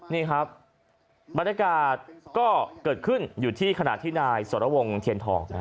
นี่ครับบรรยากาศก็เกิดขึ้นอยู่ที่ขณะที่นายสรวงเทียนทอง